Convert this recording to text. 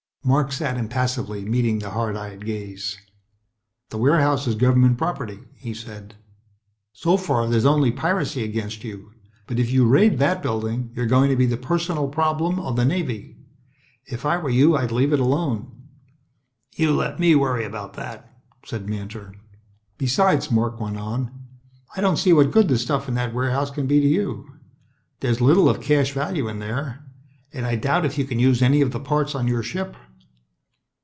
Marc sat impassively, meeting the hard eyed gaze. "That warehouse is government property," he said. "So far, there's only piracy against you. But if you raid that building you're going to be the personal problem of the Navy. If I were you I'd leave it alone." "You let me worry about that," said Mantor. "Besides," Marc went on, "I don't see what good the stuff in that warehouse can be to you. There's little of cash value in there. And I doubt if you can use any of the parts on your ship."